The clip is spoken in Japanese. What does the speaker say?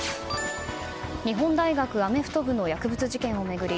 日本大学アメフト部の薬物事件を巡り